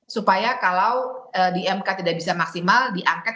supaya kalau di mk tidak bisa maksimal diangket